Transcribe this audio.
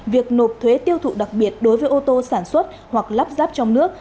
việc nộp thuế tiêu thụ đặc biệt đối với ô tô sản xuất hoặc lắp ráp trong nước